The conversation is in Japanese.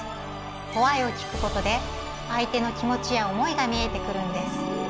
「Ｗｈｙ」を聞くことで相手の気持ちや思いが見えてくるんです。